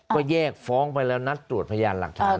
ก็แยกฟ้องไปแล้วนัดตรวจพยานหลักฐาน